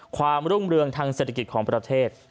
ความรุ่งเรืองทางเศรษฐกิจของประเทศ